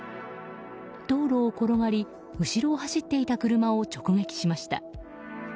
道路を転がり、後ろを走っていた車を直撃しました。